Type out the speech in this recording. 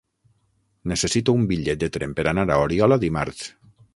Necessito un bitllet de tren per anar a Oriola dimarts.